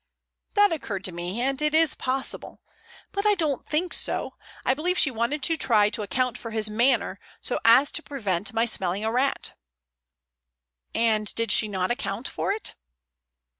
"That occurred to me, and it is possible. But I don't think so. I believe she wanted to try to account for his manner, so as to prevent my smelling a rat." "And she did not account for it?"